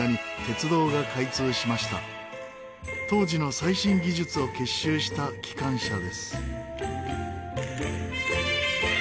当時の最新技術を結集した機関車です。